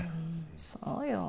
そうよ